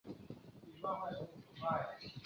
四川丝带藓为蔓藓科丝带藓属下的一个种。